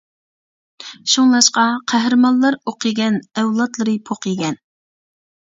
شۇڭلاشقا «قەھرىمانلار ئوق يېگەن، ئەۋلادلىرى پوق يېگەن» .